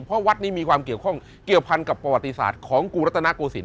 เพราะวัดนี้มีความเกี่ยวพันธ์กับประวัติศาสตร์ของกรุงรัฐนาโกสินศ์